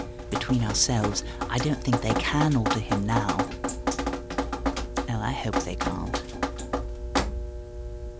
Between ourselves, I don't think they can alter him now.... Oh, I hope they can't.